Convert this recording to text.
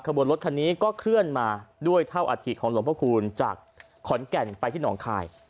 บนรถคันนี้ก็เคลื่อนมาด้วยเท่าอัฐิของหลวงพระคูณจากขอนแก่นไปที่หนองคาย